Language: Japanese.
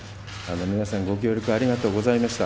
皆さん、ご協力ありがとうございました。